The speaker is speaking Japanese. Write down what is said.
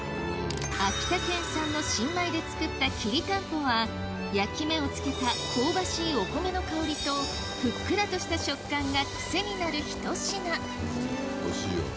秋田県産の新米で作ったきりたんぽは焼き目を付けた香ばしいお米の香りとふっくらとした食感がクセになるひと品おいしいよ。